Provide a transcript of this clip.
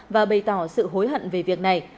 và bày tỏ sự hối hận về việc này